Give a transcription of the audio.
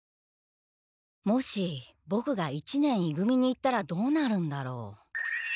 もしボクが一年い組に行ったらどうなるんだろう。